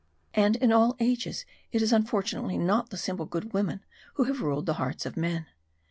And in all ages it is unfortunately not the simple good women who have ruled the hearts of men.